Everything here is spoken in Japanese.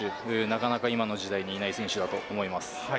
なかなか今の時代にいない選手だと思います。